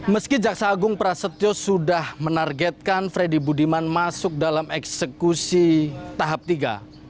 meski jaksa agung prasetyo sudah menargetkan freddy budiman masuk dalam eksekusi tahap tiga